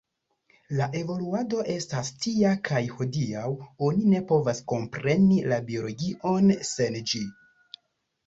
La evoluado estas tia kaj hodiaŭ oni ne povas kompreni la biologion sen ĝi.